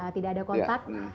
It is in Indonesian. tidak ada kontak